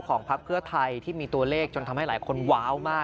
พักเพื่อไทยที่มีตัวเลขจนทำให้หลายคนว้าวมาก